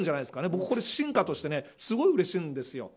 僕は進化としてすごいうれしいんです。